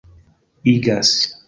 igas